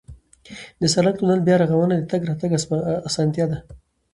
د سالنګ تونل بیا رغونه د تګ راتګ اسانتیا ده.